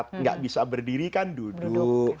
tidak bisa berdiri kan duduk